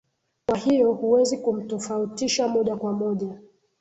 kwa hiyo huwezi kumtofautisha moja kwa moja